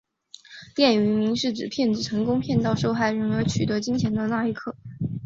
电影原名是指骗子成功骗倒受害人而取得金钱的那一刻。